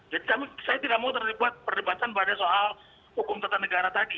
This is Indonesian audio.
jadi kami saya tidak mau terlibat perdebatan pada soal hukum tentara negara tadi